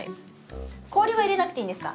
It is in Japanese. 氷は入れなくていいんですか？